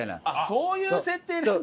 そういう設定なんだ。